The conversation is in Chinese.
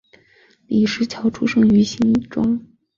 李石樵出生于新庄